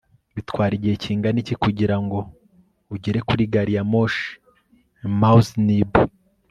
bitwara igihe kingana iki kugirango ugere kuri gari ya moshi? mouseneb